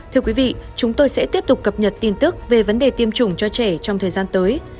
thưa quý vị chúng tôi sẽ tiếp tục cập nhật tin tức về vấn đề tiêm chủng cho trẻ trong thời gian tới